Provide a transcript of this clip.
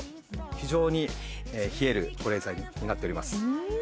非常に冷える保冷剤になっております。